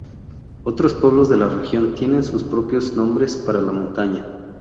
Otros pueblos de la región tienen sus propios nombres para la montaña.